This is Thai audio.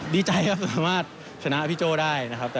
ดีใจครับสามารถชนะพี่โจ้ได้นะครับ